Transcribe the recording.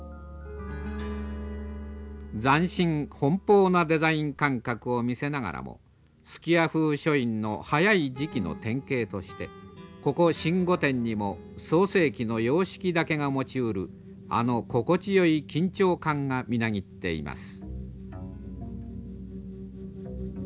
斬新奔放なデザイン感覚を見せながらも数寄屋風書院の早い時期の典型としてここ新御殿にも創成期の様式だけが持ちうるあの心地よい緊張感がみなぎっています。